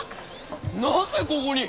なぜここに？